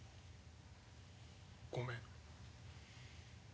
ごめん。